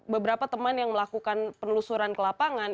beberapa teman yang melakukan penelusuran ke lapangan